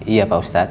iya pak ustadz